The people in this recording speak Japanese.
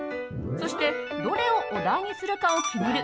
そして、どれをお題にするかを決める